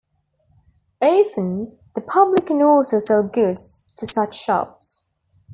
Often the public can also sell goods to such shops.